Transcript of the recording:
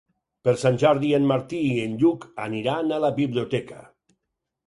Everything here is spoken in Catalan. Per Sant Jordi en Martí i en Lluc aniran a la biblioteca.